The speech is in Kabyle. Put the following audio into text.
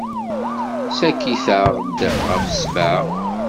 Ssakit-aɣ-d ɣef ssebɛa.